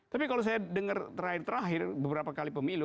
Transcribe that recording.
tapi kalau saya dengar terakhir terakhir beberapa kali pemilu